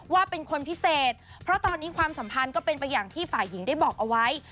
ว่าเป็นคนพิเศษเพราะตอนนี้ความสัมพันธ์ก็เป็นไปอย่างที่ฝ่ายหญิงได้บอกเอาไว้